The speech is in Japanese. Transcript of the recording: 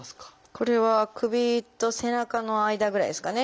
これは首と背中の間ぐらいですかね。